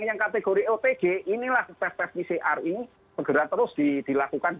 yang kategori otg inilah tes tes pcr ini segera terus dilakukan